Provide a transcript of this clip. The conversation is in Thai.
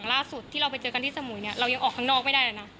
ล่าสุดที่เราไปเจอกันที่สมุยเนี่ยเรายังออกข้างนอกไม่ได้เลยนะ